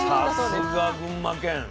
さすが群馬県。